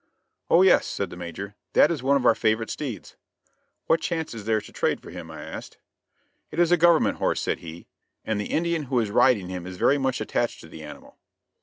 "Oh yes," said the Major, "that is one of our favorite steeds." "What chance is there to trade for him?" I asked. "It is a government horse," said he, "and the Indian who is riding him is very much attached to the animal."